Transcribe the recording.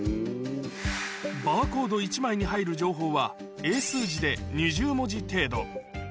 バーコード１枚に入る情報は、英数字で２０文字程度。